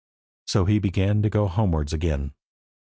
So he began to go homewards again.